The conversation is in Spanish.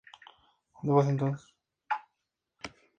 No Entre sus ensayos destaca "Su majestad, el individuo".